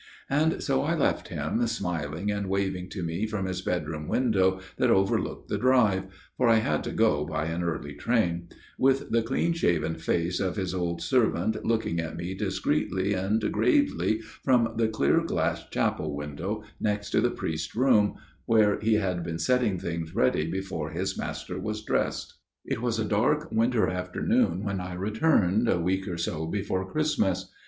And so I left him smiling and waving to me from his bedroom window that overlooked the drive (for I had to go by an early train), with the clean shaven face of his old servant looking at me discreetly and gravely from the clear glass chapel window next to the priest's room, where he had been setting things ready before his master was dressed. It was a dark winter afternoon when I returned, a week or so before Christmas.